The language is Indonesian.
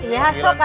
ya sok itu